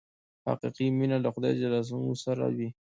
حقیقي مینه له خدای سره وي.